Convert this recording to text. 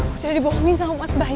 aku jadi bohongin sama mas bayu